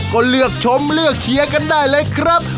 ก็เลือกชมเลือกเชียร์กันได้เลยครับ